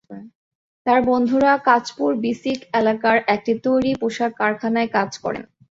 তাঁর বন্ধুরা কাঁচপুর বিসিক এলাকার একটি তৈরি পোশাক কারখানায় কাজ করেন।